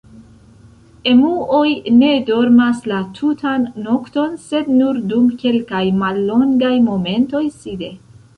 Emuoj ne dormas la tutan nokton sed nur dum kelkaj mallongaj momentoj side.